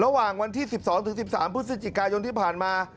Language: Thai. ระหว่างวันที่สิบสองถึงสิบสามพฤศจิกายนที่ผ่านมา